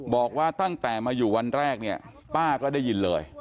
บอกว่าตั้งแต่มาอยู่วันแรกเนี่ยป้าก็ได้ยินเลย